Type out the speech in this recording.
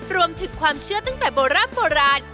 รวมถึงความเชื่อตั้งแต่โบราณโบราณ